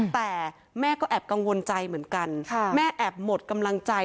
แต่แม่ก็แอบกังวลใจเหมือนกันแม่แอบหมดกำลังใจ